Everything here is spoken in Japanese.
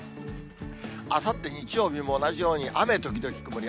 あさって日曜日も同じように雨時々曇り。